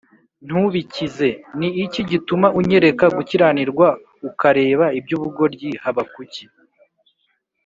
ntubikize Ni iki gituma unyereka gukiranirwa ukareba iby ubugoryi Habakuki